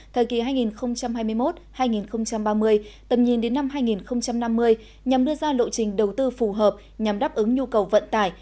thời kỳ hai nghìn hai mươi một hai nghìn ba mươi tầm nhìn đến năm hai nghìn năm mươi nhằm đưa ra lộ trình đầu tư phù hợp nhằm đáp ứng nhu cầu vận tải